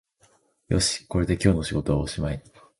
よし、これで今日の仕事はおしまい